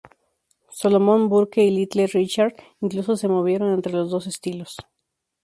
Solomon Burke y Little Richard incluso se movieron entre los dos estilos.